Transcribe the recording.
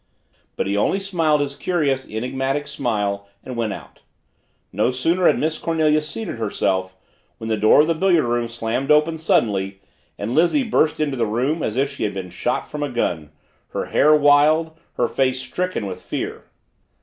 But he only smiled his curious enigmatic smile and went out. And no sooner had Miss Cornelia seated herself when the door of the billiard room slammed open suddenly and Lizzie burst into the room as if she had been shot from a gun her hair wild her face stricken with fear.